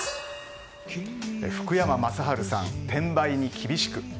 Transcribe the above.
福山雅治さん、転売に厳しく。